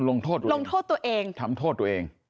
ลงโทษตัวเองทำโทษตัวเอง